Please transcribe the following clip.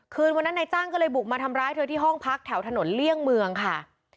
คืนวันนั้นนายจ้างก็เลยบุกมาทำร้ายเธอที่ห้องพักแถวถนนเลี่ยงเมืองค่ะ